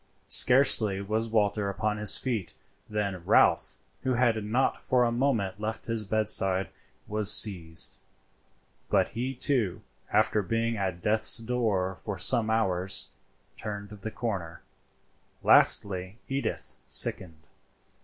Scarcely was Walter upon his feet than Ralph, who had not for a moment left his bedside, was seized, but he too, after being at death's door for some hours, turned the corner. Lastly Edith sickened.